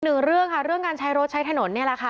หนึ่งเรื่องค่ะเรื่องการใช้รถใช้ถนนนี่แหละค่ะ